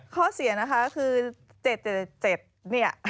ข้อเสียนะคะคือ๗๗เนี่ย